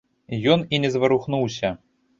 Ён і не зварухнуўся.